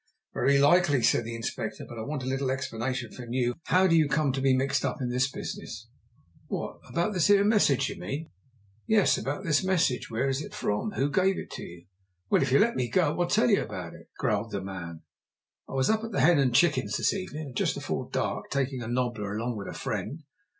"Very likely," said the Inspector; "but I want a little explanation from you. How do you come to be mixed up in this business?" "What about this 'ere message, d'you mean?" "Yes, about this message. Where is it from? Who gave it to you?" "Well, if you'll let me go, I'll tell you all about it," growled the man. "I was up at the Hen and Chickens this evenin', just afore dark, takin' a nobbler along with a friend.